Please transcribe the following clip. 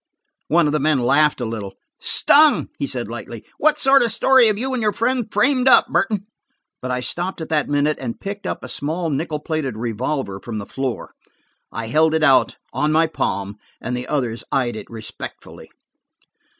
One of the men laughed a little. "Stung!" he said lightly. "What sort of a story have you and your friend framed up, Burton?' But I stopped at that minute and picked up a small nickel plated revolver from the floor. I held it out, on my palm, and the others eyed it respectfully.